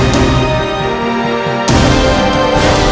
มค